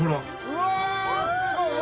うわすごい！